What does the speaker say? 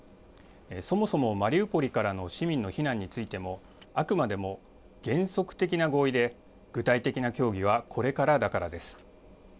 そもそも、マリウポリからの市民の避難についても、あくまでも原則的な合意で、具体的な協議はこれからだからです。